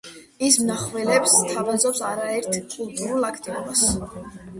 ის მნახველებს სთავაზობს არაერთ კულტურულ აქტივობას.